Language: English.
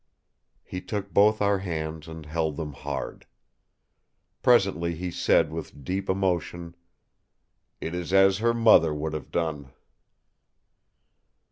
He took both our hands and held them hard. Presently he said with deep emotion: "It is as her mother would have done!"